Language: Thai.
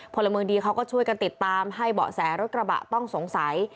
พลเมืองดีเขาก็ช่วยกันติดตามให้เบาะแสรถกระบะต้องสงสัย